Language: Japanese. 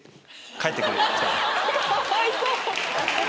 かわいそう！